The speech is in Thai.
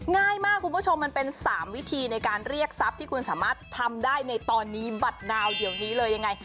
ง่ายมากคุณผู้ชมมันเป็น๓วิธีในการเรียกทรัพย์ที่คุณสามารถทำได้ในตอนนี้บัตรดาวเดี๋ยวนี้เลยยังไง